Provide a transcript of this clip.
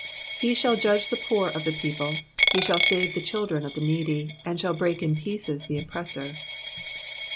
4 He shall judge the poor of the people, he shall sav* the children of the needy, and shall break in pieces the oppressor.